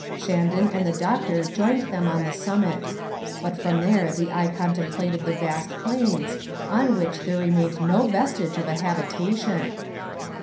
Shandon and the doctor joined them on the summit. But from there the eye contemplated the vast plains, on which there remained no vestige of a habitation.